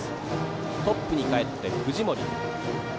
トップに返って藤森。